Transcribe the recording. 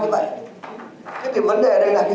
thế thì vấn đề đây là cái gì